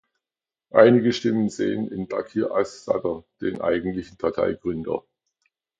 Einige Stimmen sehen in Baqir as-Sadr den eigentlichen Parteigründer.